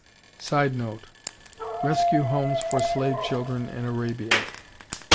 [Sidenote: Rescue Homes for slave children in Arabia.